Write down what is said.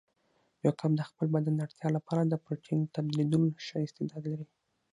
یو کب د خپل بدن اړتیا لپاره د پروتین تبدیلولو ښه استعداد لري.